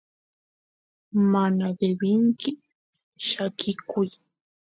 mana devenki llakikuy